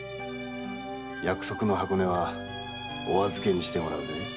約束の箱根はおあずけにしてもらうぜ。